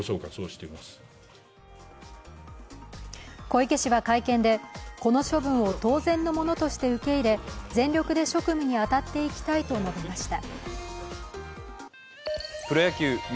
小池氏は会見で、この処分を当然のものとして受け入れ、全力で職務に当たっていきたいと述べました。